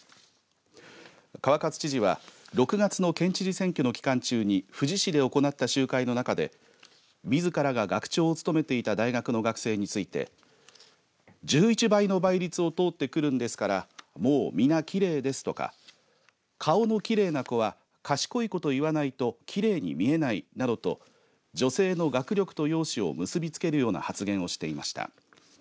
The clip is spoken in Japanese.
川勝知事は６月の県知事選挙の期間中に富士市で行った集会の中でみずからが学長を務めていた大学の学生について１１倍の倍率を通ってくるんですからもう、皆きれいですとか顔のきれいな子は賢いこと言わないときれいに見えないなどと女性の学力と容姿を結びつけるような発言をしていました。